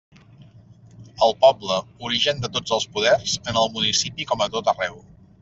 El poble, origen de tots els poders en el municipi com a tot arreu.